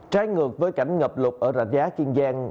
trái ngược với cảnh ngập lụt ở rạch giá kiên giang